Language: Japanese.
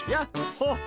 ほっ！